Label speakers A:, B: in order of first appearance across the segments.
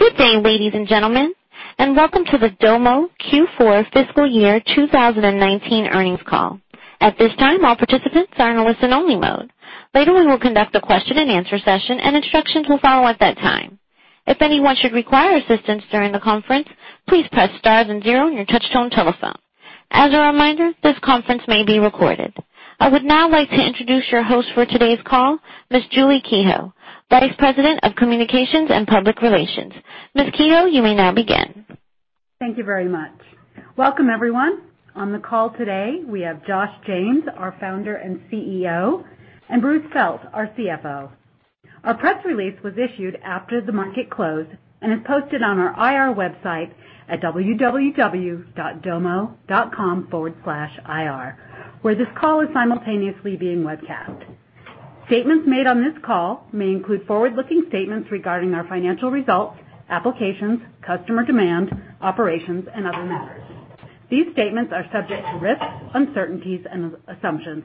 A: Good day, ladies and gentlemen, welcome to the Domo Q4 fiscal year 2019 earnings call. At this time, all participants are in a listen-only mode. Later on, we'll conduct a question-and-answer session, and instructions will follow at that time. If anyone should require assistance during the conference, please press star then zero on your touch-tone telephone. As a reminder, this conference may be recorded. I would now like to introduce your host for today's call, Ms. Julie Kehoe, Vice President of Communications and Public Relations. Ms. Kehoe, you may now begin.
B: Thank you very much. Welcome, everyone. On the call today, we have Josh James, our Founder and CEO, and Bruce Felt, our CFO. Our press release was issued after the market close and is posted on our IR website at www.domo.com/ir, where this call is simultaneously being webcast. Statements made on this call may include forward-looking statements regarding our financial results, applications, customer demand, operations, and other matters. These statements are subject to risks, uncertainties, and assumptions.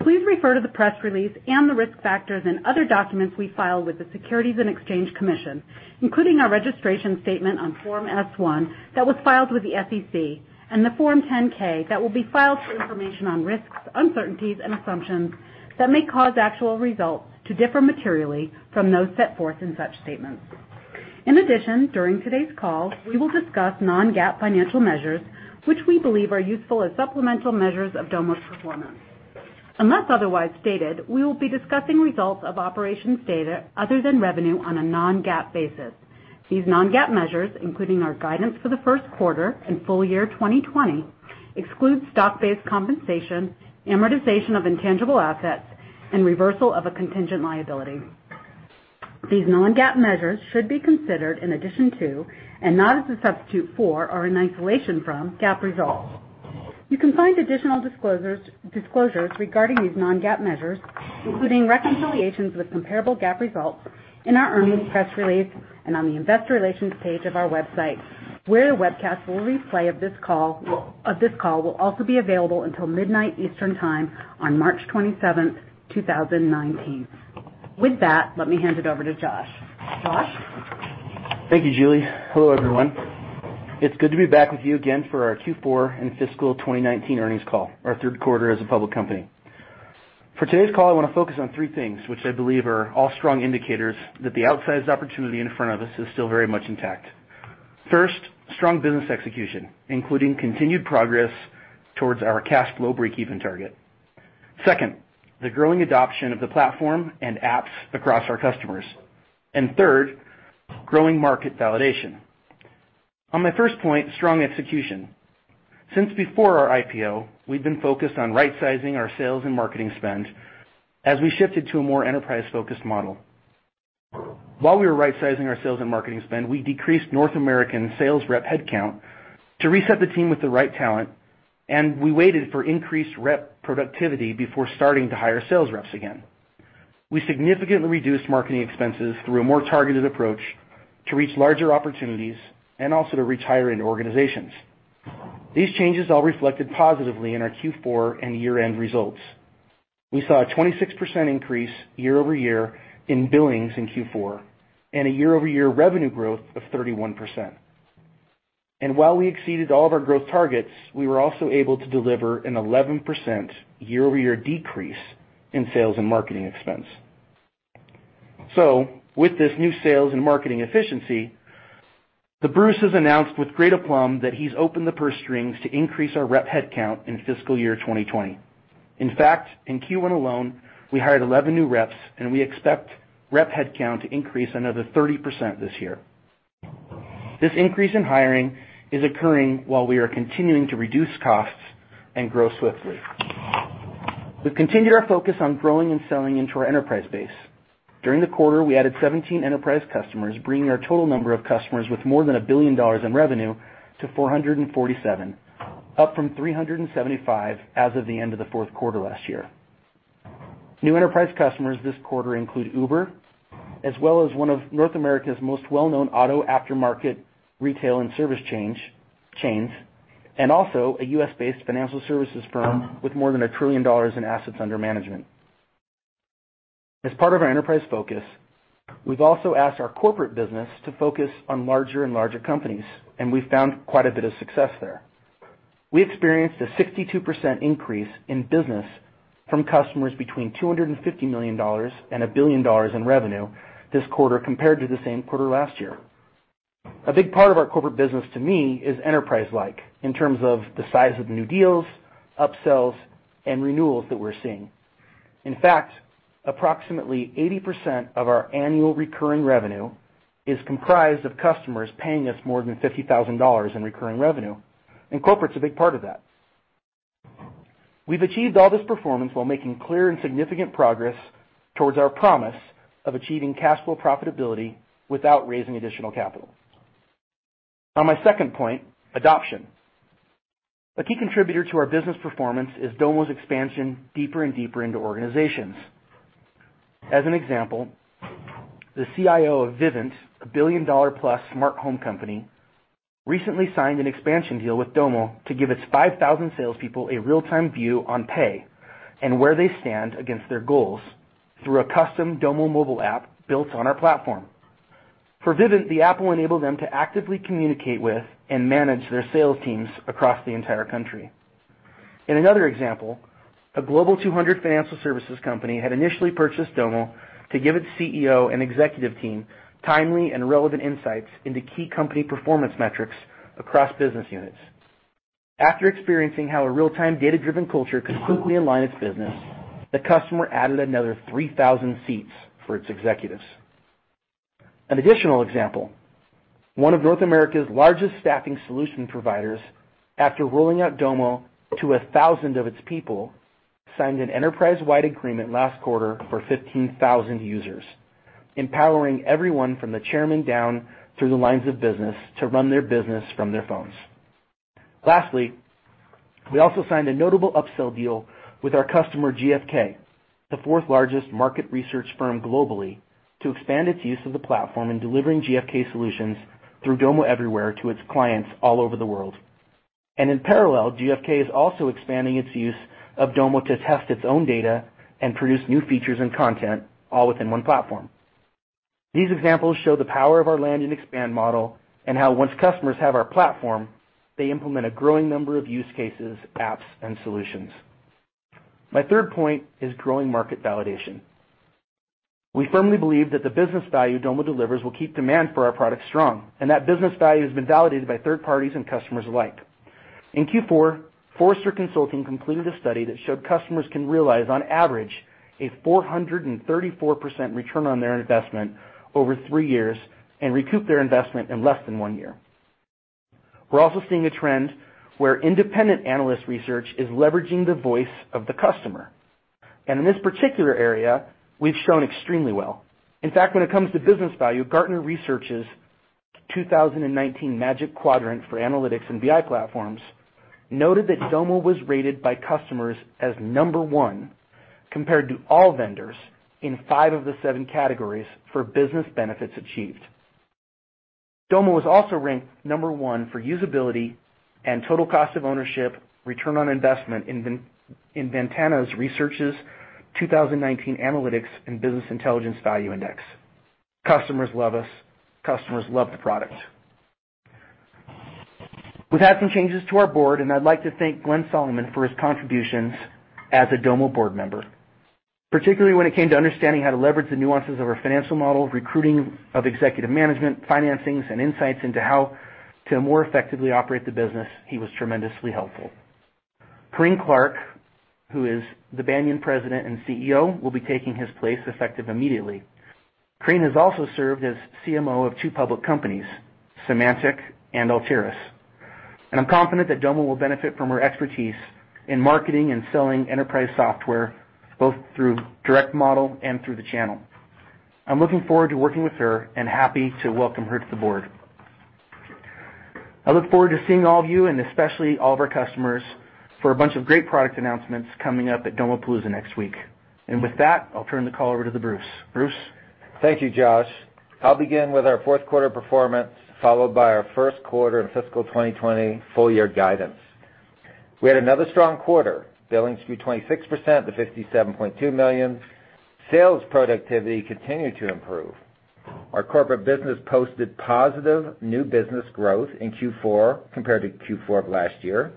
B: Please refer to the press release and the risk factors in other documents we file with the Securities and Exchange Commission, including our registration statement on Form S-1 that was filed with the SEC and the Form 10-K that will be filed for information on risks, uncertainties, and assumptions that may cause actual results to differ materially from those set forth in such statements. During today's call, we will discuss non-GAAP financial measures, which we believe are useful as supplemental measures of Domo's performance. Unless otherwise stated, we will be discussing results of operations data other than revenue on a non-GAAP basis. These non-GAAP measures, including our guidance for the first quarter and full year 2020, exclude stock-based compensation, amortization of intangible assets, and reversal of a contingent liability. These non-GAAP measures should be considered in addition to, and not as a substitute for or in isolation from, GAAP results. You can find additional disclosures regarding these non-GAAP measures, including reconciliations with comparable GAAP results, in our earnings press release and on the investor relations page of our website, where a webcast replay of this call will also be available until midnight Eastern Time on March 27, 2019. With that, let me hand it over to Josh. Josh?
C: Thank you, Julie. Hello, everyone. It's good to be back with you again for our Q4 and fiscal 2019 earnings call, our third quarter as a public company. For today's call, I want to focus on three things, which I believe are all strong indicators that the outsized opportunity in front of us is still very much intact. First, strong business execution, including continued progress toward our cash flow breakeven target. Second, the growing adoption of the platform and apps across our customers. Third, growing market validation. On my first point, strong execution. Since before our IPO, we've been focused on right-sizing our sales and marketing spend as we shifted to a more enterprise-focused model. While we were right-sizing our sales and marketing spend, we decreased North American sales rep headcount to reset the team with the right talent, and we waited for increased rep productivity before starting to hire sales reps again. We significantly reduced marketing expenses through a more targeted approach to reach larger opportunities and also to retire into organizations. These changes all reflected positively in our Q4 and year-end results. We saw a 26% increase year-over-year in billings in Q4 and a year-over-year revenue growth of 31%. While we exceeded all of our growth targets, we were also able to deliver an 11% year-over-year decrease in sales and marketing expense. With this new sales and marketing efficiency, Bruce has announced with great aplomb that he's opened the purse strings to increase our rep headcount in fiscal year 2020. In fact, in Q1 alone, we hired 11 new reps, and we expect rep headcount to increase another 30% this year. This increase in hiring is occurring while we are continuing to reduce costs and grow swiftly. We've continued our focus on growing and selling into our enterprise base. During the quarter, we added 17 enterprise customers, bringing our total number of customers with more than $1 billion in revenue to 447, up from 375 as of the end of the fourth quarter last year. New enterprise customers this quarter include Uber, as well as one of North America's most well-known auto aftermarket retail and service chains, and also a U.S.-based financial services firm with more than $1 trillion in assets under management. As part of our enterprise focus, we've also asked our corporate business to focus on larger and larger companies, and we've found quite a bit of success there. We experienced a 62% increase in business from customers between $250 million and $1 billion in revenue this quarter compared to the same quarter last year. A big part of our corporate business to me is enterprise-like in terms of the size of new deals, upsells, and renewals that we're seeing. In fact, approximately 80% of our annual recurring revenue is comprised of customers paying us more than $50,000 in recurring revenue, and corporate's a big part of that. We've achieved all this performance while making clear and significant progress towards our promise of achieving cash flow profitability without raising additional capital. On my second point, adoption. A key contributor to our business performance is Domo's expansion deeper and deeper into organizations. As an example, the CIO of Vivint, a $1 billion-plus smart home company recently signed an expansion deal with Domo to give its 5,000 salespeople a real-time view on pay and where they stand against their goals through a custom Domo mobile app built on our platform. For Vivint, the app will enable them to actively communicate with and manage their sales teams across the entire country. In another example, a Global 200 financial services company had initially purchased Domo to give its CEO and executive team timely and relevant insights into key company performance metrics across business units. After experiencing how a real-time data-driven culture could quickly align its business, the customer added another 3,000 seats for its executives. An additional example, one of North America's largest staffing solution providers, after rolling out Domo to 1,000 of its people, signed an enterprise-wide agreement last quarter for 15,000 users, empowering everyone from the chairman down through the lines of business to run their business from their phones. Lastly, we also signed a notable upsell deal with our customer GfK, the fourth largest market research firm globally, to expand its use of the platform in delivering GfK solutions through Domo Everywhere to its clients all over the world. In parallel, GfK is also expanding its use of Domo to test its own data and produce new features and content all within one platform. These examples show the power of our land and expand model, how once customers have our platform, they implement a growing number of use cases, apps, and solutions. My third point is growing market validation. We firmly believe that the business value Domo delivers will keep demand for our products strong, that business value has been validated by third parties and customers alike. In Q4, Forrester Consulting completed a study that showed customers can realize, on average, a 434% return on their investment over three years and recoup their investment in less than one year. We're also seeing a trend where independent analyst research is leveraging the voice of the customer. In this particular area, we've shown extremely well. In fact, when it comes to business value, Gartner Research's 2019 Magic Quadrant for Analytics and Business Intelligence Platforms noted that Domo was rated by customers as number one compared to all vendors in five of the seven categories for business benefits achieved. Domo was also ranked number one for usability and total cost of ownership, return on investment in Ventana Research's 2019 Analytics and Business Intelligence Value Index. Customers love us. Customers love the product. We've had some changes to our board, I'd like to thank Glenn Solomon for his contributions as a Domo board member, particularly when it came to understanding how to leverage the nuances of our financial model, recruiting of executive management, financings, and insights into how to more effectively operate the business. He was tremendously helpful. Carine Clark, who is the Banyan President and CEO, will be taking his place effective immediately. Carine has also served as CMO of two public companies, Symantec and Altiris, I'm confident that Domo will benefit from her expertise in marketing and selling enterprise software, both through direct model and through the channel. I'm looking forward to working with her, happy to welcome her to the board. I look forward to seeing all of you, and especially all of our customers, for a bunch of great product announcements coming up at Domopalooza next week. With that, I'll turn the call over to Bruce. Bruce?
D: Thank you, Josh. I'll begin with our fourth quarter performance, followed by our first quarter and fiscal 2020 full year guidance. We had another strong quarter, billings grew 26% to $57.2 million. Sales productivity continued to improve. Our corporate business posted positive new business growth in Q4 compared to Q4 of last year.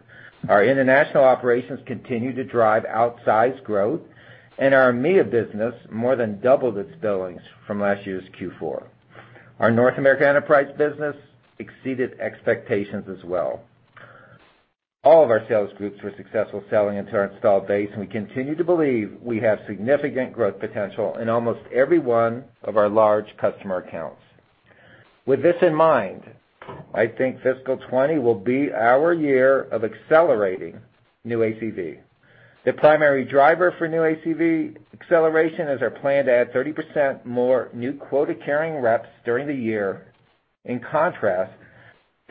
D: Our international operations continue to drive outsized growth, and our EMEA business more than doubled its billings from last year's Q4. Our North America enterprise business exceeded expectations as well. All of our sales groups were successful selling into our installed base, and we continue to believe we have significant growth potential in almost every one of our large customer accounts. With this in mind, I think fiscal 2020 will be our year of accelerating new ACV. The primary driver for new ACV acceleration is our plan to add 30% more new quota-carrying reps during the year, in contrast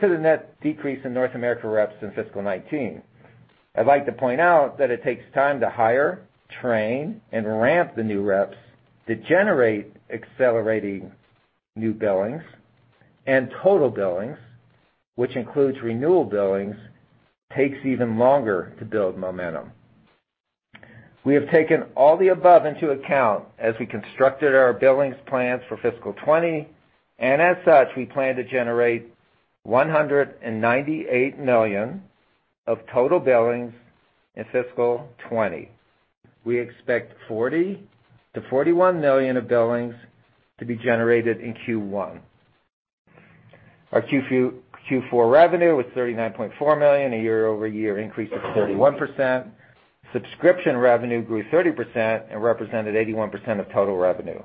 D: to the net decrease in North America reps in fiscal 2019. I'd like to point out that it takes time to hire, train, and ramp the new reps to generate accelerating new billings. Total billings, which includes renewal billings, takes even longer to build momentum. We have taken all the above into account as we constructed our billings plans for fiscal 2020, and as such, we plan to generate $198 million of total billings in fiscal 2020. We expect $40 million to $41 million of billings to be generated in Q1. Our Q4 revenue was $39.4 million, a year-over-year increase of 31%. Subscription revenue grew 30% and represented 81% of total revenue.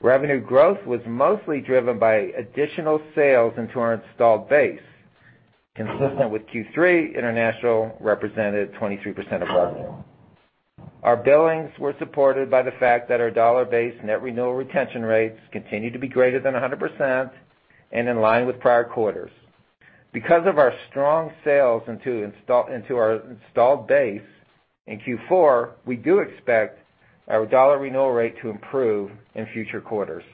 D: Revenue growth was mostly driven by additional sales into our installed base. Consistent with Q3, international represented 23% of revenue. Our billings were supported by the fact that our dollar-based net renewal retention rates continued to be greater than 100% and in line with prior quarters. Because of our strong sales into our installed base in Q4, we do expect our dollar renewal rate to improve in future quarters.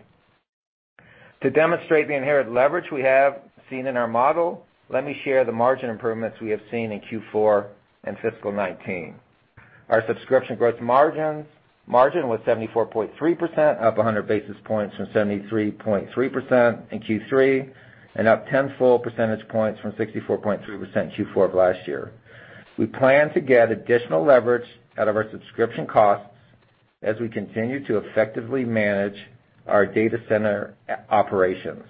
D: To demonstrate the inherent leverage we have seen in our model, let me share the margin improvements we have seen in Q4 and fiscal 2019. Our subscription growth margin was 74.3%, up 100 basis points from 73.3% in Q3, and up 10 full percentage points from 64.3% in Q4 of last year. We plan to get additional leverage out of our subscription costs as we continue to effectively manage our data center operations.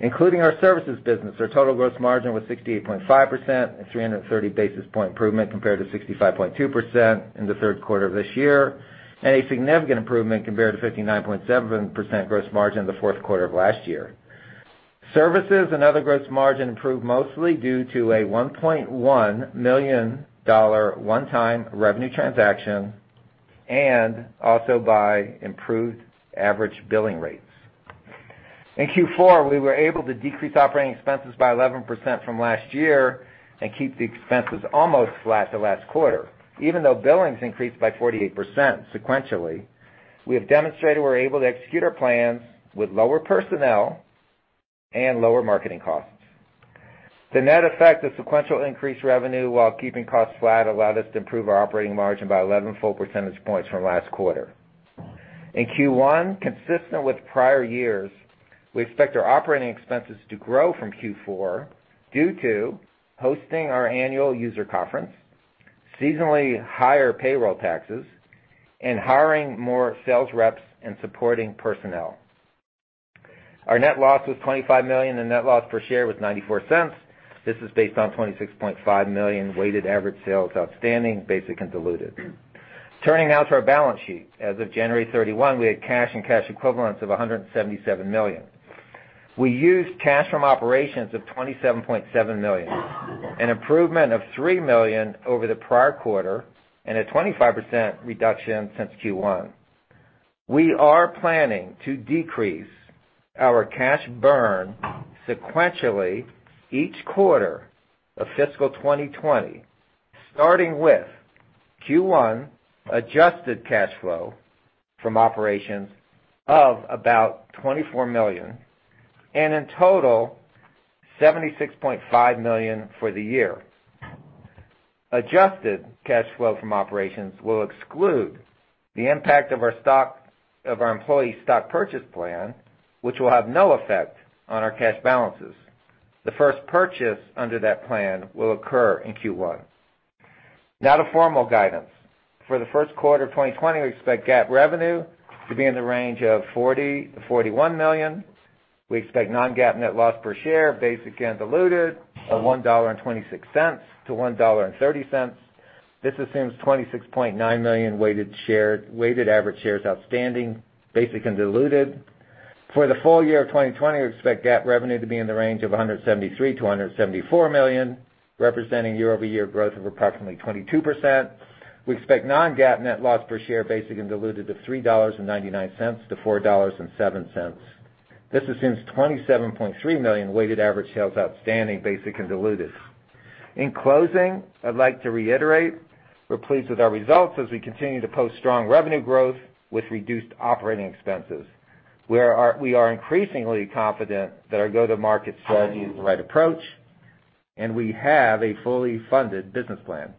D: Including our services business, our total gross margin was 68.5%, a 330 basis point improvement compared to 65.2% in the third quarter of this year, and a significant improvement compared to 59.7% gross margin in the fourth quarter of last year. Services and other gross margin improved mostly due to a $1.1 million one-time revenue transaction, and also by improved average billing rates. In Q4, we were able to decrease operating expenses by 11% from last year and keep the expenses almost flat to last quarter. Even though billings increased by 48% sequentially, we have demonstrated we're able to execute our plans with lower personnel and lower marketing costs. The net effect of sequential increased revenue while keeping costs flat allowed us to improve our operating margin by 11 full percentage points from last quarter. In Q1, consistent with prior years, we expect our operating expenses to grow from Q4 due to hosting our annual user conference, seasonally higher payroll taxes, and hiring more sales reps and supporting personnel. Our net loss was $25 million, and net loss per share was $0.94. This is based on 26.5 million weighted average shares outstanding, basic and diluted. Turning now to our balance sheet. As of January 31, we had cash and cash equivalents of $177 million. We used cash from operations of $27.7 million, an improvement of $3 million over the prior quarter and a 25% reduction since Q1. We are planning to decrease our cash burn sequentially each quarter of fiscal 2020, starting with Q1 adjusted cash flow from operations of about $24 million, and in total, $76.5 million for the year. Adjusted cash flow from operations will exclude the impact of our employee stock purchase plan, which will have no effect on our cash balances. The first purchase under that plan will occur in Q1. Now to formal guidance. For the first quarter of 2020, we expect GAAP revenue to be in the range of $40 million-$41 million. We expect non-GAAP net loss per share, basic and diluted, of $1.26-$1.30. This assumes 26.9 million weighted average shares outstanding, basic and diluted. For the full year of 2020, we expect GAAP revenue to be in the range of $173 million-$174 million, representing year-over-year growth of approximately 22%. We expect non-GAAP net loss per share, basic and diluted, of $3.99-$4.07. This assumes 27.3 million weighted average shares outstanding, basic and diluted. In closing, I'd like to reiterate, we're pleased with our results as we continue to post strong revenue growth with reduced operating expenses. We are increasingly confident that our go-to-market strategy is the right approach. We have a fully funded business plan.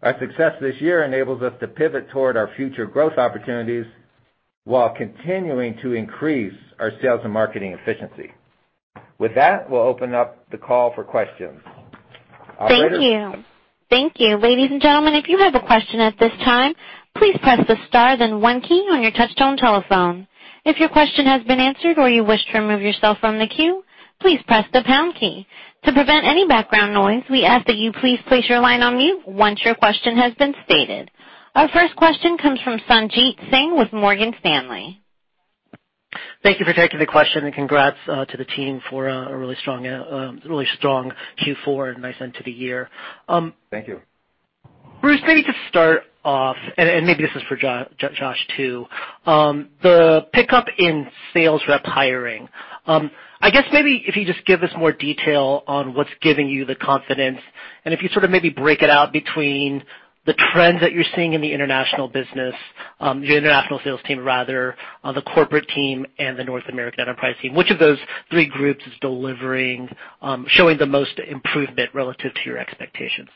D: Our success this year enables us to pivot toward our future growth opportunities while continuing to increase our sales and marketing efficiency. With that, we'll open up the call for questions. Operator?
A: Thank you. Thank you. Ladies and gentlemen, if you have a question at this time, please press the star then one key on your touchtone telephone. If your question has been answered or you wish to remove yourself from the queue, please press the pound key. To prevent any background noise, we ask that you please place your line on mute once your question has been stated. Our first question comes from Sanjit Singh with Morgan Stanley.
E: Thank you for taking the question. Congrats to the team for a really strong Q4 and a nice end to the year.
D: Thank you.
E: Bruce, maybe to start off. Maybe this is for Josh too, the pickup in sales rep hiring. I guess maybe if you just give us more detail on what's giving you the confidence. If you sort of maybe break it out between the trends that you're seeing in the international business, the international sales team rather, the corporate team, and the North American enterprise team. Which of those three groups is showing the most improvement relative to your expectations?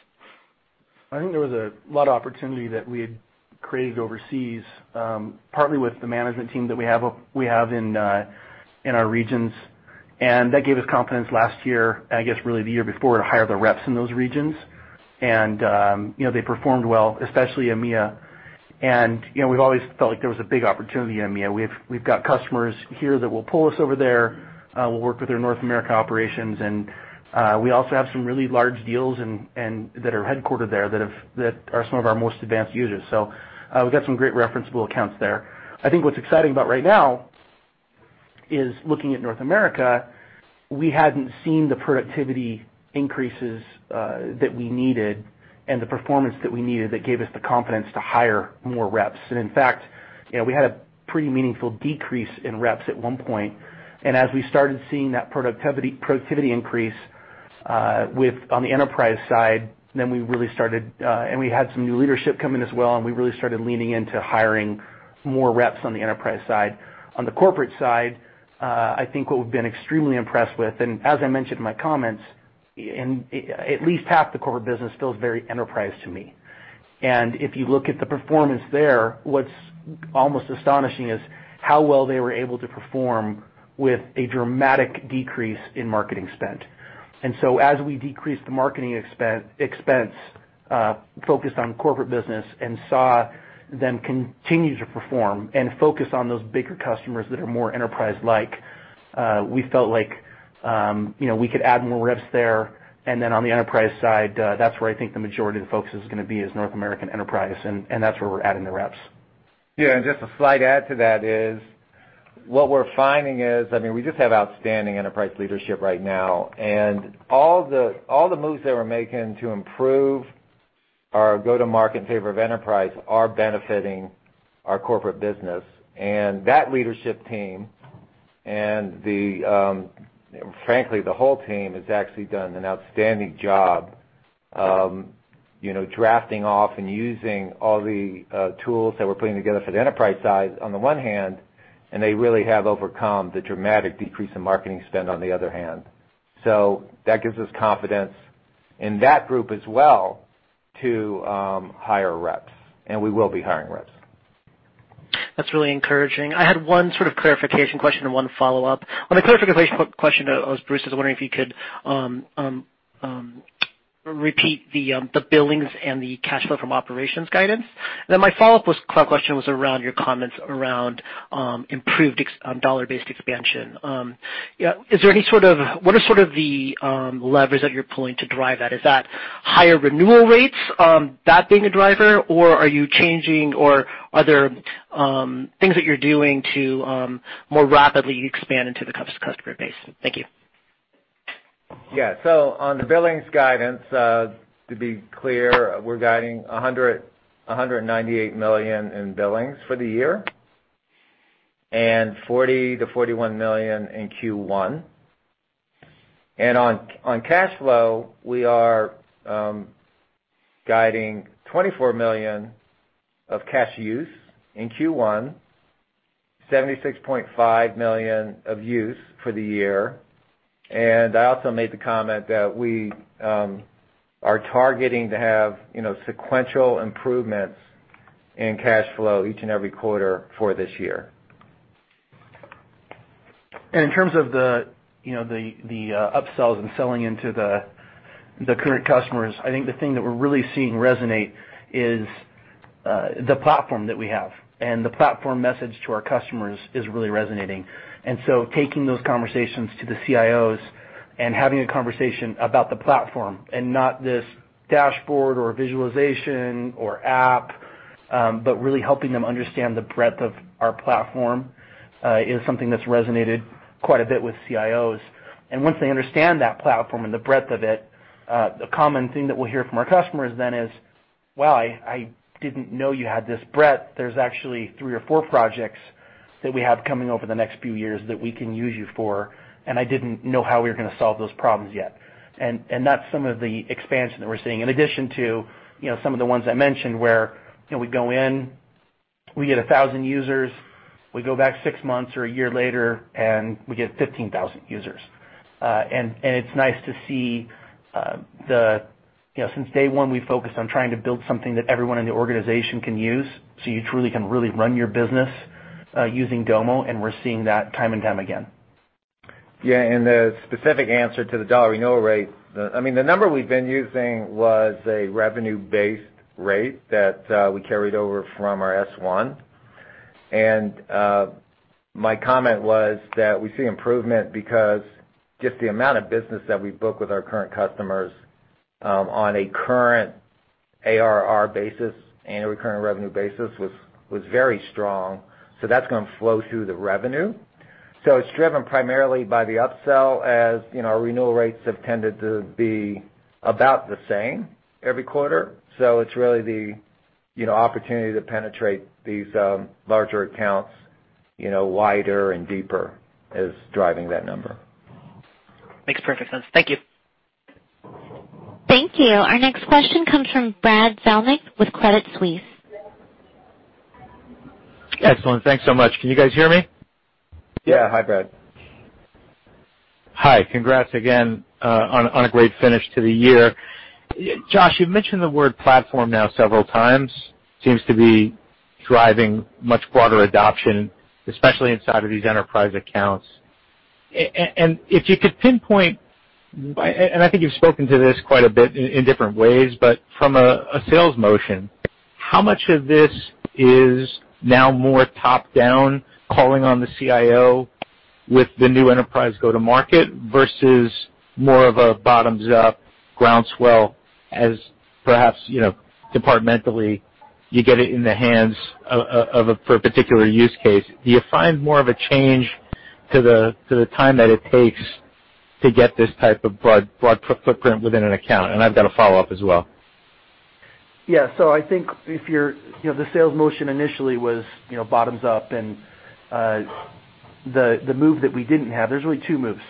C: I think there was a lot of opportunity that we had created overseas, partly with the management team that we have in our regions. That gave us confidence last year. I guess really the year before, to hire the reps in those regions. They performed well, especially EMEA. We've always felt like there was a big opportunity in EMEA. We've got customers here that will pull us over there. We'll work with their North America operations. We also have some really large deals that are headquartered there that are some of our most advanced users. We've got some great referenceable accounts there. I think what's exciting about right now is looking at North America, we hadn't seen the productivity increases that we needed and the performance that we needed that gave us the confidence to hire more reps. In fact, we had a pretty meaningful decrease in reps at one point. As we started seeing that productivity increase on the enterprise side, we had some new leadership come in as well, we really started leaning into hiring more reps on the enterprise side. On the corporate side, I think what we've been extremely impressed with, as I mentioned in my comments, at least half the corporate business feels very enterprise to me. If you look at the performance there, what's almost astonishing is how well they were able to perform with a dramatic decrease in marketing spend. As we decreased the marketing expense, focused on corporate business, and saw them continue to perform and focus on those bigger customers that are more enterprise-like, we felt like we could add more reps there. On the enterprise side, that's where I think the majority of the focus is going to be is North American enterprise, that's where we're adding the reps.
D: Yeah. Just a slight add to that is what we're finding is, we just have outstanding enterprise leadership right now. All the moves that we're making to improve our go-to-market in favor of enterprise are benefiting our corporate business. That leadership team and frankly, the whole team, has actually done an outstanding job drafting off and using all the tools that we're putting together for the enterprise side on the one hand, they really have overcome the dramatic decrease in marketing spend on the other hand. That gives us confidence in that group as well to hire reps, we will be hiring reps.
E: That's really encouraging. I had one sort of clarification question and one follow-up. On the clarification question, it was Bruce's. I was wondering if you could repeat the billings and the cash flow from operations guidance. My follow-up question was around your comments around improved dollar-based expansion. What are the levers that you're pulling to drive that? Is that higher renewal rates, that being a driver, or are you changing, or are there things that you're doing to more rapidly expand into the customer base? Thank you.
D: Yeah. On the billings guidance, to be clear, we're guiding $198 million in billings for the year and $40 million-$41 million in Q1. On cash flow, we are guiding $24 million of cash use in Q1, $76.5 million of use for the year. I also made the comment that we are targeting to have sequential improvements in cash flow each and every quarter for this year.
C: In terms of the upsells and selling into the current customers, I think the thing that we're really seeing resonate is the platform that we have, and the platform message to our customers is really resonating. Taking those conversations to the CIOs and having a conversation about the platform and not this dashboard or visualization or app, but really helping them understand the breadth of our platform, is something that's resonated quite a bit with CIOs. Once they understand that platform and the breadth of it, a common thing that we'll hear from our customers then is, "Wow, I didn't know you had this breadth. There's actually three or four projects that we have coming over the next few years that we can use you for, and I didn't know how we were going to solve those problems yet." That's some of the expansion that we're seeing. In addition to some of the ones I mentioned where we go in, we get 1,000 users, we go back six months or a year later, and we get 15,000 users. It's nice to see since day one, we focused on trying to build something that everyone in the organization can use, so you truly can really run your business using Domo, and we're seeing that time and time again.
D: Yeah. The specific answer to the dollar renewal rate, the number we've been using was a revenue-based rate that we carried over from our S-1. My comment was that we see improvement because just the amount of business that we book with our current customers on a current ARR basis, annual recurring revenue basis, was very strong. That's going to flow through the revenue. It's driven primarily by the upsell. As you know, our renewal rates have tended to be about the same every quarter. It's really the opportunity to penetrate these larger accounts wider and deeper is driving that number.
E: Makes perfect sense. Thank you.
A: Thank you. Our next question comes from Brad Zelnick with Credit Suisse.
F: Excellent. Thanks so much. Can you guys hear me?
D: Yeah. Hi, Brad.
F: Hi. Congrats again on a great finish to the year. Josh, you've mentioned the word platform now several times. Seems to be driving much broader adoption, especially inside of these enterprise accounts. If you could pinpoint, and I think you've spoken to this quite a bit in different ways, but from a sales motion, how much of this is now more top-down calling on the CIO with the new enterprise go to market versus more of a bottoms-up groundswell as perhaps departmentally you get it in the hands for a particular use case? Do you find more of a change to the time that it takes to get this type of broad footprint within an account? I've got a follow-up as well.
C: Yeah. I think the sales motion initially was bottoms up and the move that we didn't have, there's really two moves.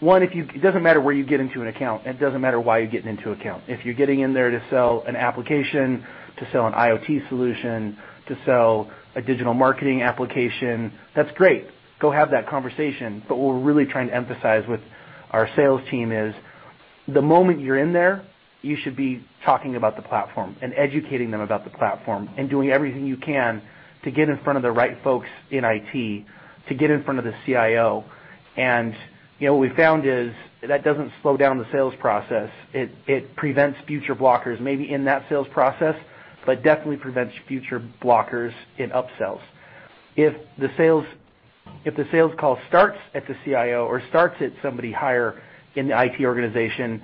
C: One, it doesn't matter where you get into an account, and it doesn't matter why you're getting into account. If you're getting in there to sell an application, to sell an IoT solution, to sell a digital marketing application, that's great. Go have that conversation. What we're really trying to emphasize with our sales team is, the moment you're in there, you should be talking about the platform and educating them about the platform and doing everything you can to get in front of the right folks in IT, to get in front of the CIO. What we found is that doesn't slow down the sales process. It prevents future blockers, maybe in that sales process, but definitely prevents future blockers in upsells. If the sales call starts at the CIO or starts at somebody higher in the IT organization,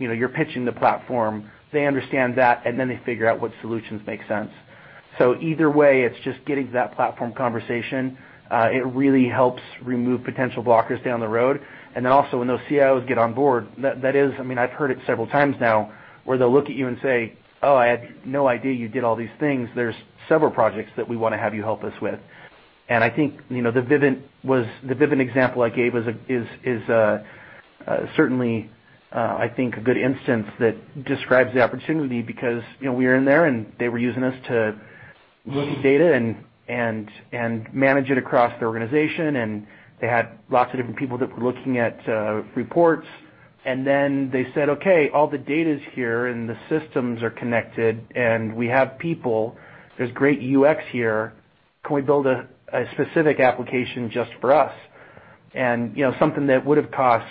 C: you're pitching the platform. They understand that, they figure out what solutions make sense. Either way, it's just getting to that platform conversation. It really helps remove potential blockers down the road. Also, when those CIOs get on board, I've heard it several times now, where they'll look at you and say, "Oh, I had no idea you did all these things. There's several projects that we want to have you help us with." I think the Vivint example I gave is certainly, I think, a good instance that describes the opportunity because we were in there, and they were using us to look at data and manage it across the organization, and they had lots of different people that were looking at reports. They said, "Okay, all the data's here, and the systems are connected, and we have people. There's great UX here. Can we build a specific application just for us?" Something that would've cost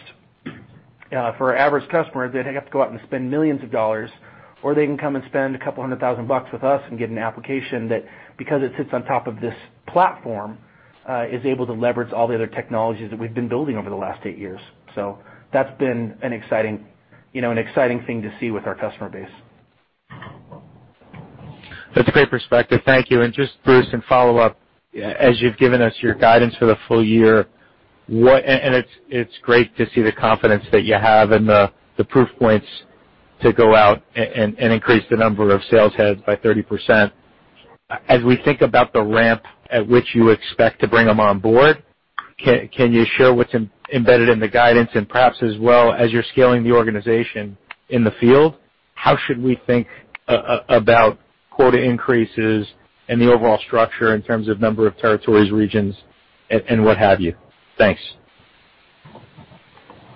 C: for our average customer, they'd have to go out and spend millions of dollars, or they can come and spend a couple hundred thousand dollars with us and get an application that, because it sits on top of this platform, is able to leverage all the other technologies that we've been building over the last eight years. That's been an exciting thing to see with our customer base.
F: That's a great perspective. Thank you. Just, Bruce, in follow-up, as you've given us your guidance for the full year, it's great to see the confidence that you have and the proof points to go out and increase the number of sales heads by 30%. As we think about the ramp at which you expect to bring them on board, can you share what's embedded in the guidance and perhaps as well as you're scaling the organization in the field, how should we think about quota increases and the overall structure in terms of number of territories, regions, and what have you? Thanks.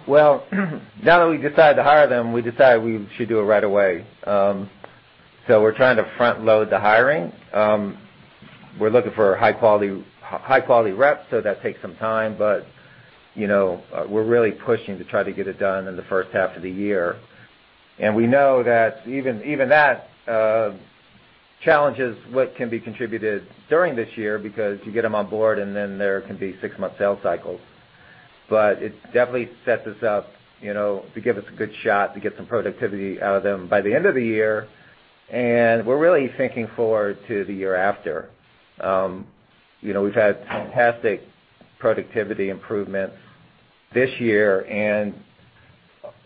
D: Well, now that we decided to hire them, we decided we should do it right away. We're trying to front-load the hiring. We're looking for high-quality reps, so that takes some time, but we're really pushing to try to get it done in the first half of the year. We know that even that challenges what can be contributed during this year because you get them on board and then there can be six-month sales cycles. It definitely sets us up to give us a good shot to get some productivity out of them by the end of the year. We're really thinking forward to the year after. We've had fantastic productivity improvements this year, and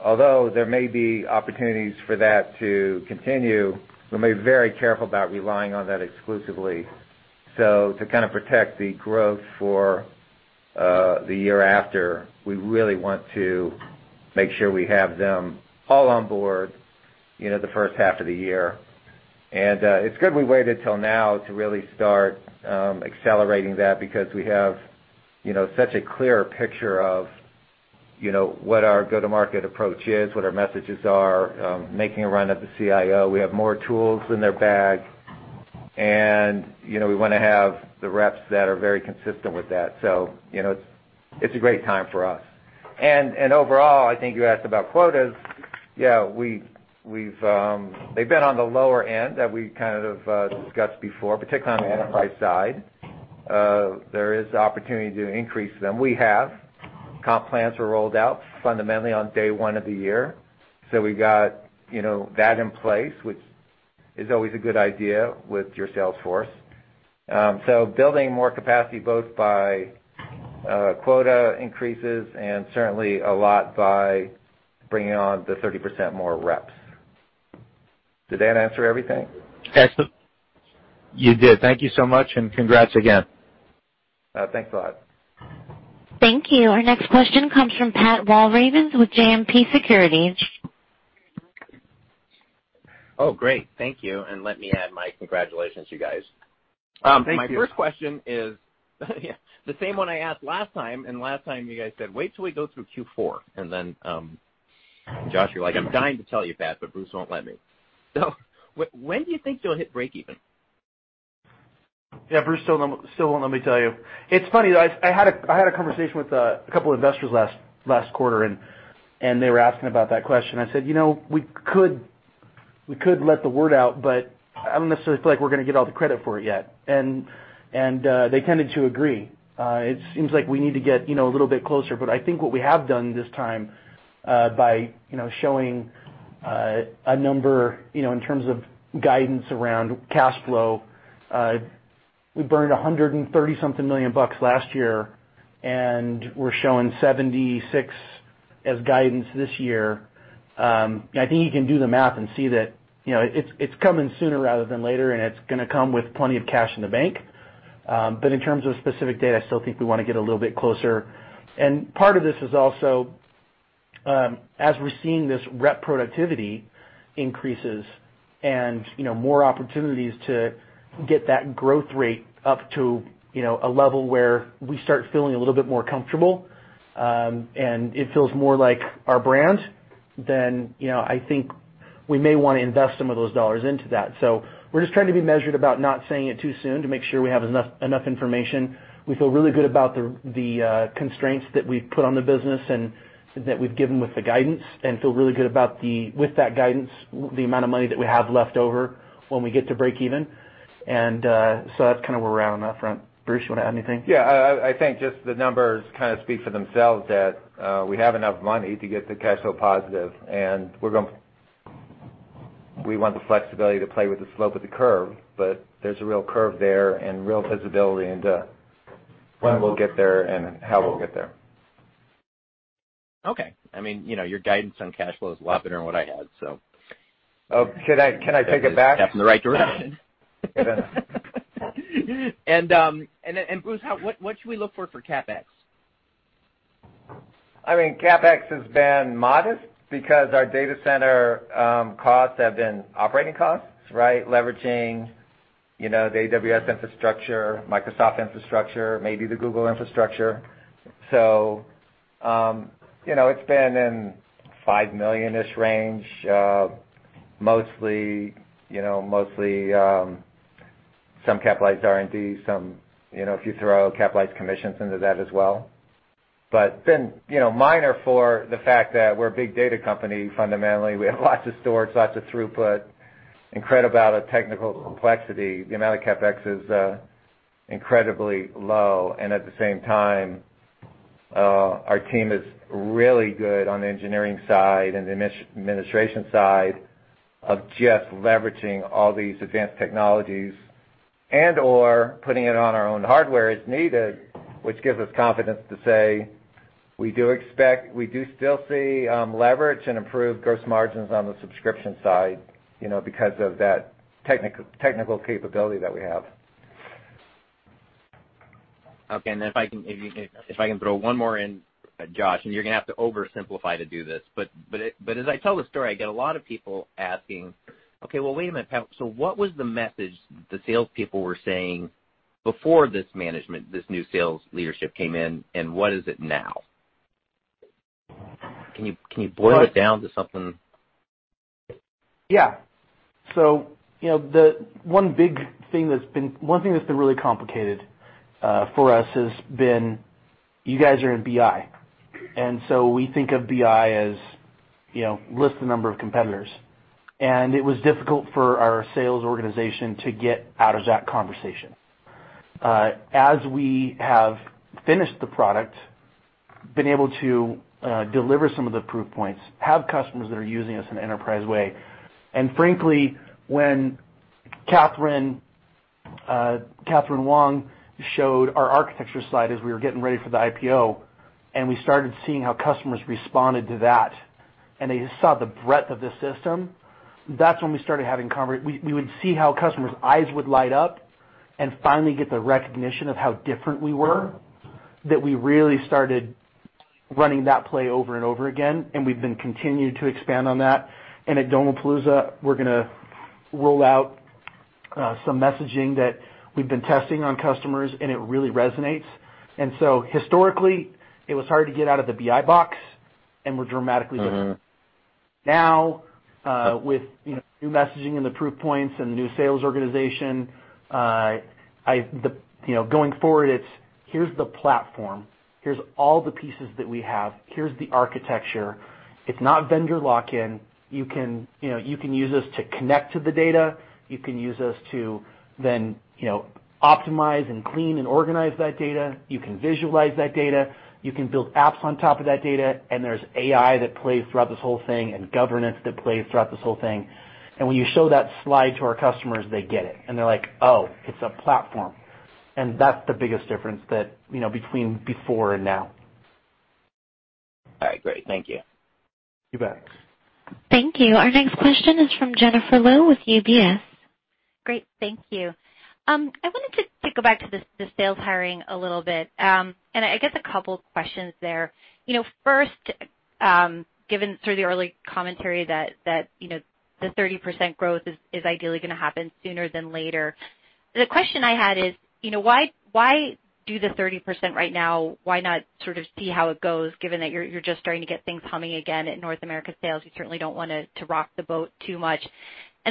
D: although there may be opportunities for that to continue, we're being very careful about relying on that exclusively. To kind of protect the growth for the year after, we really want to make sure we have them all on board the first half of the year. It's good we waited till now to really start accelerating that because we have such a clear picture of what our go-to-market approach is, what our messages are, making a run at the CIO. We have more tools in their bag, and we want to have the reps that are very consistent with that. It's a great time for us. Overall, I think you asked about quotas. Yeah, they've been on the lower end that we kind of discussed before, particularly on the enterprise side. There is the opportunity to increase them. We have. Comp plans were rolled out fundamentally on day one of the year. We got that in place, which is always a good idea with your sales force. Building more capacity, both by quota increases and certainly a lot by bringing on the 30% more reps. Did that answer everything?
F: Excellent. You did. Thank you so much, and congrats again.
D: Thanks a lot.
A: Thank you. Our next question comes from Pat Walravens with JMP Securities.
G: Oh, great. Thank you. Let me add my congratulations, you guys.
C: Thank you.
G: My first question is the same one I asked last time. Last time you guys said, "Wait till we go through Q4." Josh, you're like, "I'm dying to tell you, Pat, but Bruce won't let me." When do you think you'll hit breakeven?
C: Bruce still won't let me tell you. It's funny, though. I had a conversation with a couple of investors last quarter. They were asking about that question. I said, "We could let the word out, but I don't necessarily feel like we're going to get all the credit for it yet." They tended to agree. It seems like we need to get a little bit closer. I think what we have done this time, by showing a number in terms of guidance around cash flow. We burned $130 something million last year, and we're showing $76 million as guidance this year. I think you can do the math and see that it's coming sooner rather than later, and it's going to come with plenty of cash in the bank. In terms of specific data, I still think we want to get a little bit closer. Part of this is also as we're seeing this rep productivity increases. More opportunities to get that growth rate up to a level where we start feeling a little bit more comfortable. It feels more like our brand. I think we may want to invest some of those dollars into that. We're just trying to be measured about not saying it too soon to make sure we have enough information. We feel really good about the constraints that we've put on the business and that we've given with the guidance. We feel really good with that guidance, the amount of money that we have left over when we get to breakeven. That's kind of where we're at on that front. Bruce, you want to add anything?
D: Yeah. I think just the numbers kind of speak for themselves that we have enough money to get to cash flow positive, and we want the flexibility to play with the slope of the curve, but there's a real curve there and real visibility into when we'll get there and how we'll get there.
G: Okay. Your guidance on cash flow is a lot better than what I had, so.
D: Oh, can I take it back?
G: Step in the right direction. Bruce, what should we look for for CapEx?
D: CapEx has been modest because our data center costs have been operating costs, leveraging the AWS infrastructure, Microsoft infrastructure, maybe the Google infrastructure. It's been in $5 million-ish range, mostly some capitalized R&D, if you throw capitalized commissions into that as well. It's been minor for the fact that we're a big data company, fundamentally. We have lots of storage, lots of throughput, incredible amount of technical complexity. The amount of CapEx is incredibly low, and at the same time, our team is really good on the engineering side and the administration side of just leveraging all these advanced technologies and/or putting it on our own hardware as needed, which gives us confidence to say we do still see leverage and improved gross margins on the subscription side because of that technical capability that we have.
G: Okay. If I can throw one more in, Josh, and you're going to have to oversimplify to do this. As I tell the story, I get a lot of people asking, "Okay, well, wait a minute. What was the message the salespeople were saying before this management, this new sales leadership came in, and what is it now?" Can you boil it down to something?
C: Yeah. One thing that's been really complicated for us has been you guys are in BI. We think of BI as list the number of competitors. It was difficult for our sales organization to get out of that conversation. As we have finished the product, been able to deliver some of the proof points, have customers that are using us in an enterprise way, and frankly, when Catherine Wong showed our architecture slide as we were getting ready for the IPO and we started seeing how customers responded to that and they saw the breadth of the system, that's when we would see how customers' eyes would light up and finally get the recognition of how different we were, that we really started running that play over and over again, we've been continuing to expand on that. At Domopalooza, we're going to roll out some messaging that we've been testing on customers, it really resonates. Historically, it was hard to get out of the BI box, we're dramatically different. With new messaging and the proof points and the new sales organization, going forward it's, "Here's the platform. Here's all the pieces that we have. Here's the architecture. It's not vendor lock-in. You can use us to connect to the data. You can use us to then optimize and clean and organize that data. You can visualize that data. You can build apps on top of that data, and there's AI that plays throughout this whole thing and governance that plays throughout this whole thing." When you show that slide to our customers, they get it, and they're like, "Oh, it's a platform." That's the biggest difference between before and now.
G: All right. Great. Thank you.
C: You bet.
A: Thank you. Our next question is from Jennifer Lowe with UBS.
H: Great. Thank you. I wanted to go back to the sales hiring a little bit. I guess a couple questions there. First, given sort of the early commentary that the 30% growth is ideally going to happen sooner than later, the question I had is why do the 30% right now? Why not sort of see how it goes given that you're just starting to get things humming again at North America sales, you certainly don't want to rock the boat too much.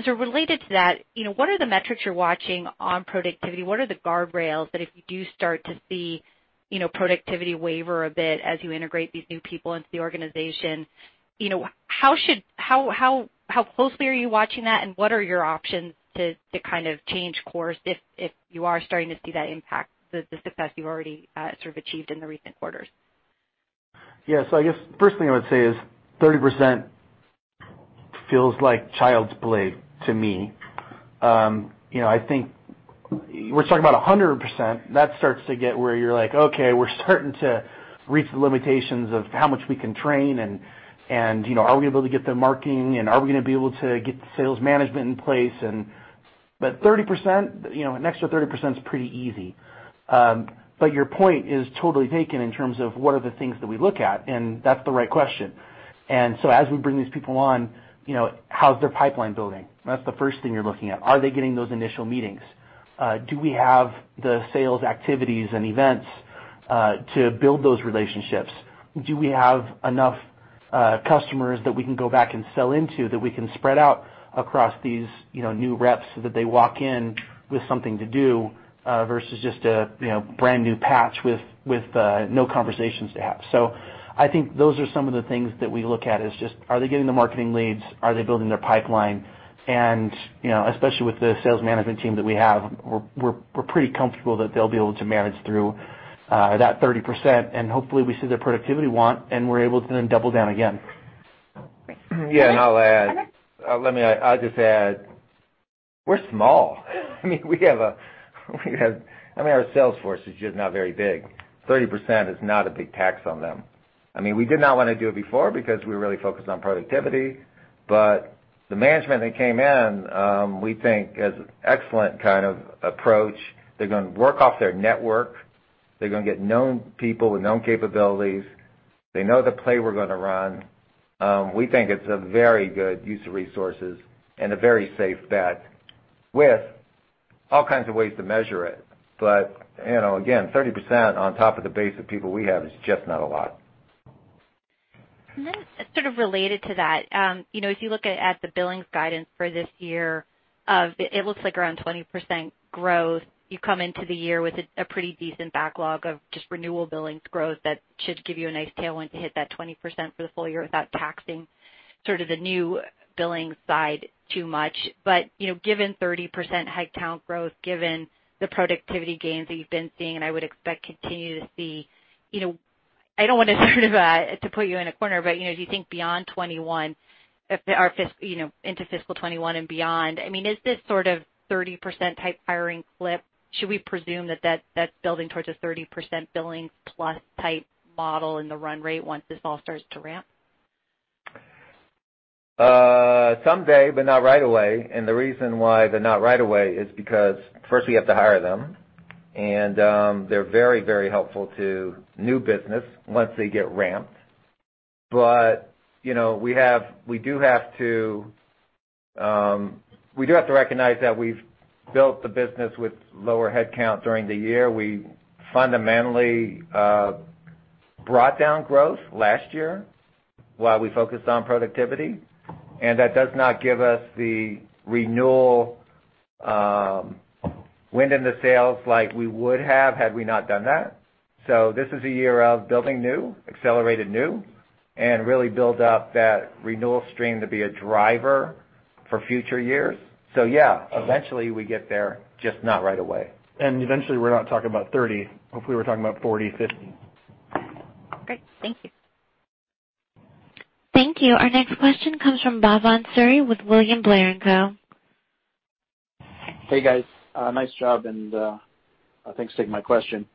H: Related to that, what are the metrics you're watching on productivity? What are the guardrails that if you do start to see productivity waver a bit as you integrate these new people into the organization, how closely are you watching that, and what are your options to kind of change course if you are starting to see that impact the success you've already sort of achieved in the recent quarters?
C: Yeah. I guess first thing I would say is 30% feels like child's play to me. I think we're talking about 100%, that starts to get where you're like, "Okay, we're starting to reach the limitations of how much we can train and are we able to get the marketing, and are we going to be able to get the sales management in place?" 30%, an extra 30% is pretty easy. Your point is totally taken in terms of what are the things that we look at, and that's the right question. As we bring these people on, how's their pipeline building? That's the first thing you're looking at. Are they getting those initial meetings? Do we have the sales activities and events, to build those relationships? Do we have enough customers that we can go back and sell into that we can spread out across these new reps so that they walk in with something to do, versus just a brand new patch with no conversations to have. I think those are some of the things that we look at is just are they getting the marketing leads, are they building their pipeline? Especially with the sales management team that we have, we're pretty comfortable that they'll be able to manage through that 30%, and hopefully we see their productivity want, and we're able to then double down again.
H: Great.
D: Yeah, I'll add.
H: Go ahead.
D: I'll just add, we're small. Our sales force is just not very big. 30% is not a big tax on them. We did not want to do it before because we were really focused on productivity. The management that came in, we think has excellent kind of approach. They're going to work off their network. They're going to get known people with known capabilities. They know the play we're going to run. We think it's a very good use of resources and a very safe bet with all kinds of ways to measure it. Again, 30% on top of the base of people we have is just not a lot.
H: Then sort of related to that, if you look at the billings guidance for this year, it looks like around 20% growth. You come into the year with a pretty decent backlog of just renewal billings growth that should give you a nice tailwind to hit that 20% for the full year without taxing sort of the new billing side too much. Given 30% head count growth, given the productivity gains that you've been seeing, and I would expect continue to see, I don't want to sort of put you in a corner, as you think beyond 2021, or into fiscal 2021 and beyond, is this sort of 30% type hiring clip? Should we presume that that's building towards a 30% billings plus type model in the run rate once this all starts to ramp?
D: Someday, but not right away. The reason why but not right away is because first we have to hire them, and they're very helpful to new business once they get ramped. We do have to recognize that we've built the business with lower head count during the year. We fundamentally brought down growth last year while we focused on productivity, and that does not give us the renewal wind in the sails like we would have had we not done that. This is a year of building new, accelerated new, and really build up that renewal stream to be a driver for future years. Yeah, eventually we get there, just not right away.
C: Eventually we're not talking about 30. Hopefully, we're talking about 40, 50.
H: Great. Thank you.
A: Thank you. Our next question comes from Bhavan Suri with William Blair & Company.
I: Hey, guys. Nice job, and thanks for taking my question.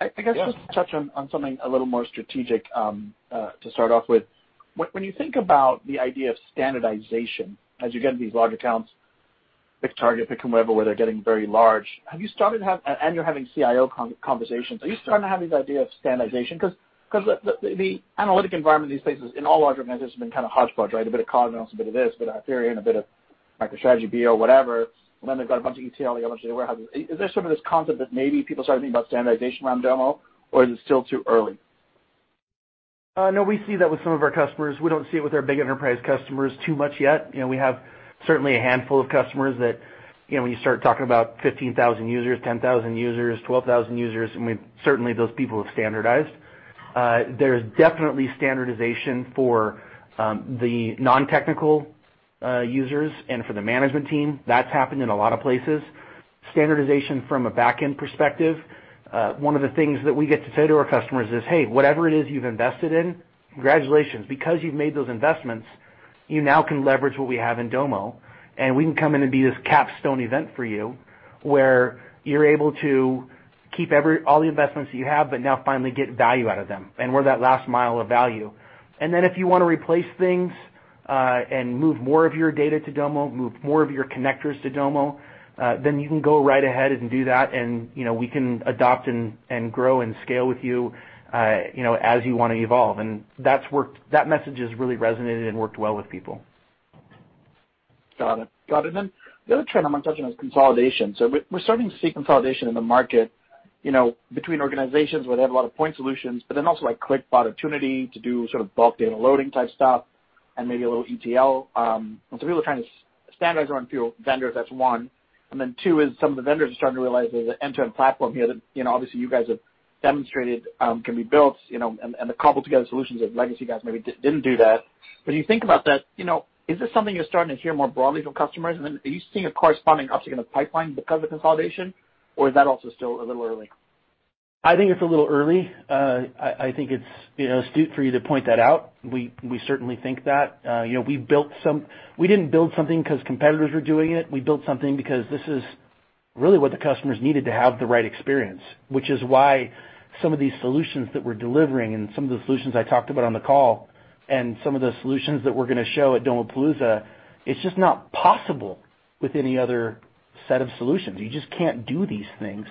C: Yeah.
I: I guess just to touch on something a little more strategic, to start off with, when you think about the idea of standardization, as you get into these large accounts, pick Target, pick whomever, where they're getting very large, and you're having CIO conversations, are you starting to have this idea of standardization? The analytic environment in these places, in all large organizations, has been kind of hodgepodge, right? A bit of Cognos, a bit of this, a bit of Hyperion, a bit of MicroStrategy, BI, or whatever. They've got a bunch of ETL, they got a bunch of warehouses. Is there some of this concept that maybe people are starting to think about standardization around Domo, or is it still too early?
C: No, we see that with some of our customers. We don't see it with our big enterprise customers too much yet. We have certainly a handful of customers that when you start talking about 15,000 users, 10,000 users, 12,000 users, and certainly those people have standardized. There's definitely standardization for the non-technical users and for the management team. That's happened in a lot of places. Standardization from a back end perspective, one of the things that we get to say to our customers is, "Hey, whatever it is you've invested in, congratulations. You've made those investments, you now can leverage what we have in Domo. We can come in and be this capstone event for you, where you're able to keep all the investments that you have, but now finally get value out of them. We're that last mile of value. If you want to replace things, and move more of your data to Domo, move more of your connectors to Domo, then you can go right ahead and do that and we can adopt and grow and scale with you as you want to evolve." That message has really resonated and worked well with people.
I: Got it. Got it. The other trend I want to touch on is consolidation. We're starting to see consolidation in the market between organizations where they have a lot of point solutions, but then also like click Qlik bought opportunity to do sort of bulk data loading type stuff and maybe a little ETL. People are trying to standardize around a few vendors, that's one. Two is some of the vendors are starting to realize there's an end-to-end platform here that obviously you guys have demonstrated can be built, and the cobbled together solutions of legacy guys maybe didn't do that. When you think about that, is this something you're starting to hear more broadly from customers? Are you seeing a corresponding uptick in the pipeline because of consolidation, or is that also still a little early?
C: I think it's a little early. I think it's astute for you to point that out. We certainly think that. We didn't build something because competitors were doing it. We built something because this is really what the customers needed to have the right experience, which is why some of these solutions that we're delivering and some of the solutions I talked about on the call, and some of the solutions that we're going to show at Domopalooza, it's just not possible with any other set of solutions. You just can't do these things.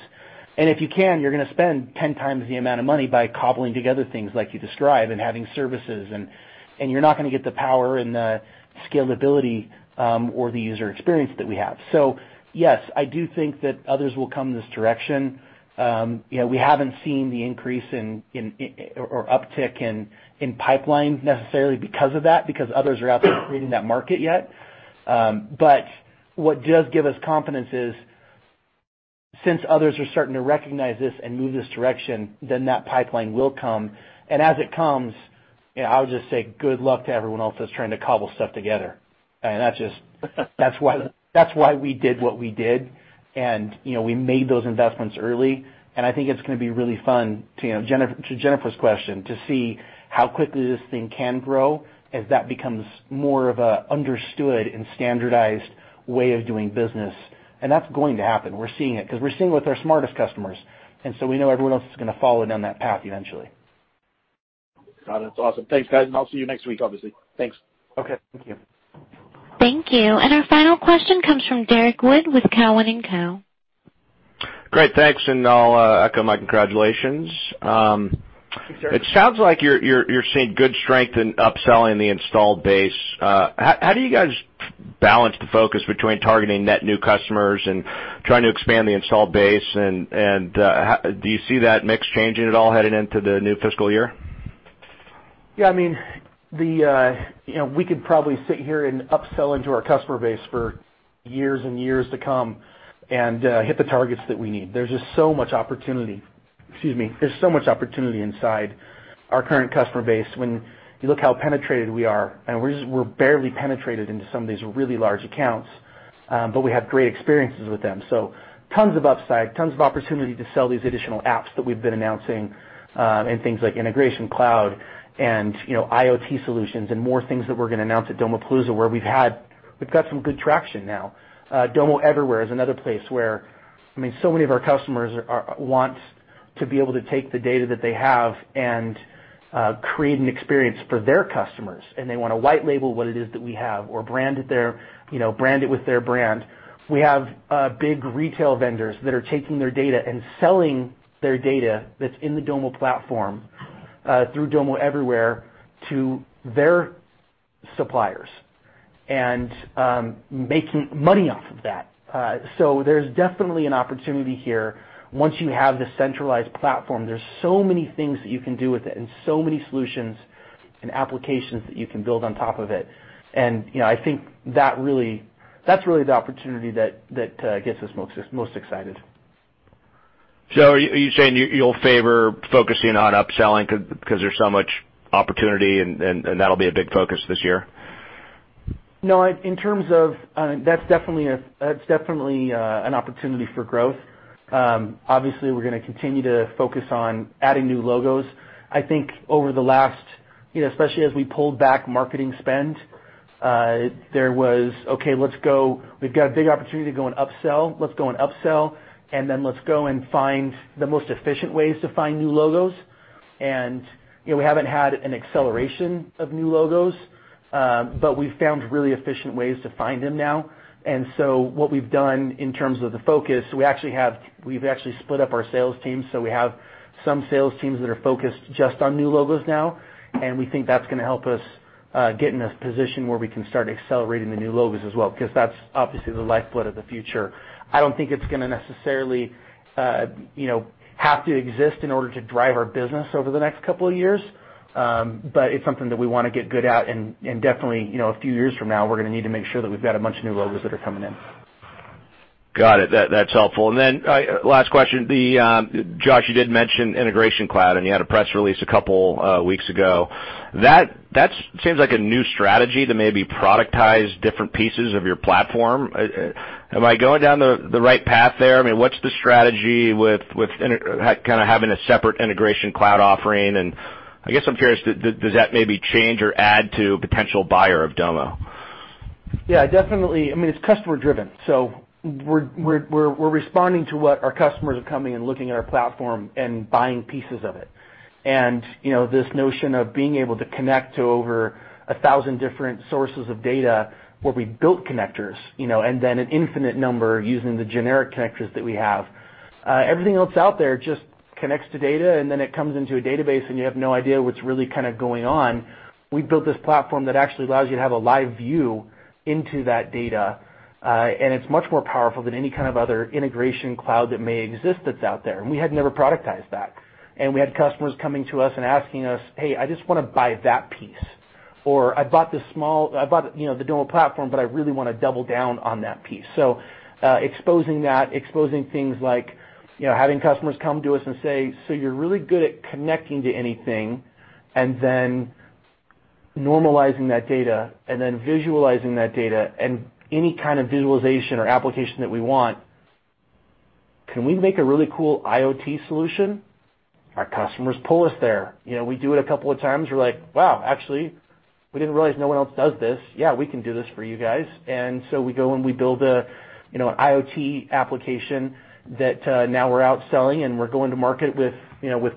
C: If you can, you're going to spend 10 times the amount of money by cobbling together things like you describe and having services, and you're not going to get the power and the scalability, or the user experience that we have. Yes, I do think that others will come this direction. We haven't seen the increase or uptick in pipeline necessarily because of that, because others are out there creating that market yet. What does give us confidence is, since others are starting to recognize this and move this direction, that pipeline will come. As it comes, I'll just say good luck to everyone else that's trying to cobble stuff together. That's why we did what we did, and we made those investments early, and I think it's going to be really fun, to Jennifer's question, to see how quickly this thing can grow as that becomes more of an understood and standardized way of doing business. That's going to happen. We're seeing it. We're seeing it with our smartest customers, we know everyone else is going to follow down that path eventually.
I: Got it. That's awesome. Thanks, guys, I'll see you next week, obviously. Thanks.
C: Okay. Thank you.
A: Thank you. Our final question comes from Derrick Wood with Cowen and Company.
J: Great. Thanks, and I'll echo my congratulations.
C: Sure.
J: It sounds like you're seeing good strength in upselling the installed base. How do you guys balance the focus between targeting net new customers and trying to expand the installed base, and do you see that mix changing at all headed into the new fiscal year?
C: Yeah, we could probably sit here and upsell into our customer base for years and years to come and hit the targets that we need. There's just so much opportunity. Excuse me. There's so much opportunity inside our current customer base when you look how penetrated we are, and we're barely penetrated into some of these really large accounts. We have great experiences with them. Tons of upside, tons of opportunity to sell these additional apps that we've been announcing, and things like Integration Cloud and IoT solutions and more things that we're going to announce at Domopalooza, where we've got some good traction now. Domo Everywhere is another place where so many of our customers want to be able to take the data that they have and create an experience for their customers, and they want to white label what it is that we have or brand it with their brand. We have big retail vendors that are taking their data and selling their data that's in the Domo platform, through Domo Everywhere, to their suppliers and making money off of that. There's definitely an opportunity here. Once you have the centralized platform, there's so many things that you can do with it and so many solutions and applications that you can build on top of it. I think that's really the opportunity that gets us most excited.
J: Are you saying you'll favor focusing on upselling because there's so much opportunity and that'll be a big focus this year?
C: No. That's definitely an opportunity for growth. Obviously, we're going to continue to focus on adding new logos. I think over the last, especially as we pulled back marketing spend, there was, "Okay, we've got a big opportunity to go and upsell. Let's go and upsell, and then let's go and find the most efficient ways to find new logos." We haven't had an acceleration of new logos. We've found really efficient ways to find them now. What we've done in terms of the focus, we've actually split up our sales team. We have some sales teams that are focused just on new logos now, and we think that's going to help us get in a position where we can start accelerating the new logos as well, because that's obviously the lifeblood of the future. I don't think it's going to necessarily have to exist in order to drive our business over the next couple of years. It's something that we want to get good at. Definitely, a few years from now, we're going to need to make sure that we've got a bunch of new logos that are coming in.
J: Got it. That's helpful. Then, last question. Josh, you did mention Integration Cloud, and you had a press release a couple weeks ago. That seems like a new strategy to maybe productize different pieces of your platform. Am I going down the right path there? What's the strategy with kind of having a separate Integration Cloud offering? I guess I'm curious, does that maybe change or add to a potential buyer of Domo?
C: Yeah, definitely. It's customer driven. We're responding to what our customers are coming and looking at our platform and buying pieces of it. This notion of being able to connect to over 1,000 different sources of data where we built connectors, and then an infinite number using the generic connectors that we have. Everything else out there just connects to data, and then it comes into a database, and you have no idea what's really kind of going on. We built this platform that actually allows you to have a live view into that data, and it's much more powerful than any kind of other Integration Cloud that may exist that's out there, and we had never productized that. We had customers coming to us and asking us, "Hey, I just want to buy that piece," or, "I bought the Domo platform, but I really want to double down on that piece." Exposing that, exposing things like having customers come to us and say, "You're really good at connecting to anything and then normalizing that data and then visualizing that data and any kind of visualization or application that we want. Can we make a really cool IoT solution?" Our customers pull us there. We do it a couple of times. We're like, "Wow, actually, we didn't realize no one else does this. Yeah, we can do this for you guys." We go and we build an IoT application that now we're out selling and we're going to market with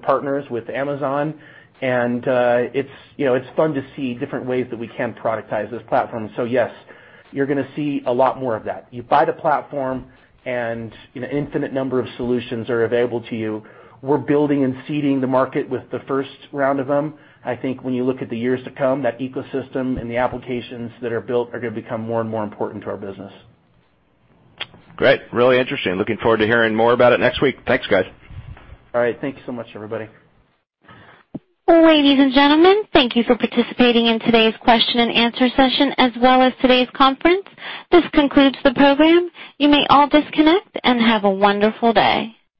C: partners, with Amazon. It's fun to see different ways that we can productize this platform. Yes, you're going to see a lot more of that. You buy the platform and an infinite number of solutions are available to you. We're building and seeding the market with the first round of them. I think when you look at the years to come, that ecosystem and the applications that are built are going to become more and more important to our business.
J: Great. Really interesting. Looking forward to hearing more about it next week. Thanks, guys.
C: All right. Thank you so much, everybody.
A: Ladies and gentlemen, thank you for participating in today's question and answer session, as well as today's conference. This concludes the program. You may all disconnect and have a wonderful day.